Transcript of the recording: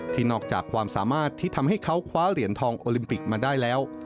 นอกจากความสามารถที่ทำให้เขาคว้าเหรียญทองโอลิมปิกมาได้แล้ว